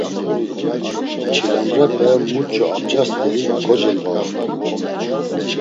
Çilambrepe muç̌o abca st̆eri kocelvaoru.